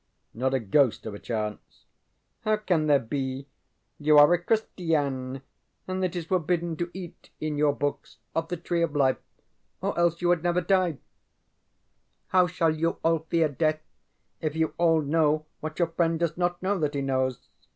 ŌĆØ ŌĆ£Not a ghost of a chance? ŌĆØ ŌĆ£How can there be? You are a Christi ├Īn, and it is forbidden to eat, in your books, of the Tree of Life, or else you would never die. How shall you all fear death if you all know what your friend does not know that he knows?